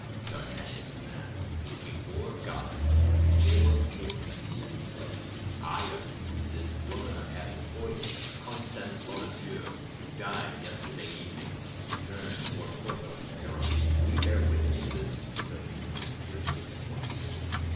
D'Artagnan advanced. "Before God and before men," said he, "I accuse this woman of having poisoned Constance Bonacieux, who died yesterday evening." He turned towards Porthos and Aramis. "We bear witness to this," said the two Musketeers, with one voice.